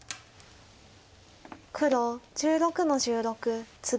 黒１６の十六ツギ。